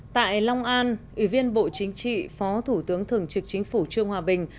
tại long an ủy viên bộ chính trị phó thủ tướng thường trực chính phủ trương hòa bình